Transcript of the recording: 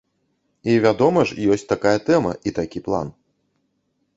І, вядома ж, ёсць такая тэма і такі план.